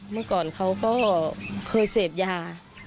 เมื่อก่อนเขาก็เคยเสพยา